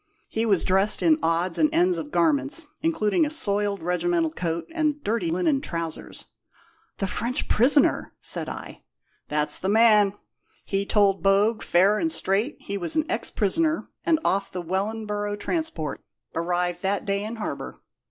He was dressed in odds and ends of garments, including a soiled regimental coat and dirty linen trousers." "The French prisoner!" said I. "That's the man. He told Bogue, fair and straight, he was an ex prisoner, and off the Wellinboro' transport, arrived that day in harbour.